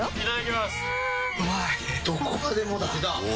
どこまでもだあ！